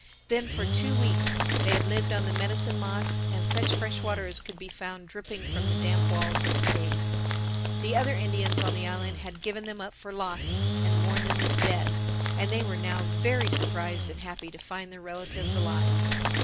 Then for two weeks they had lived on the medicine moss and such fresh water as could be found dripping from the damp walls of the cave. The other Indians on the island had given them up for lost and mourned them as dead; and they were now very surprised and happy to find their relatives alive.